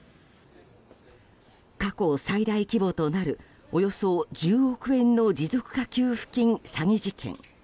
過去最大規模となるおよそ１０億円の持続化給付金詐欺事件。